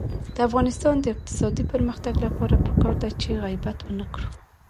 د افغانستان د اقتصادي پرمختګ لپاره پکار ده چې غیبت ونکړو.